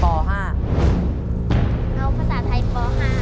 แล้วภาษาไทยป๕